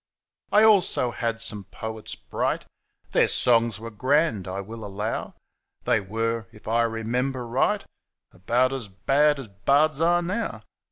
I also had some poets bright — Their songs were grand, I will allow — They were, if I remember right. About as bad as bards are now.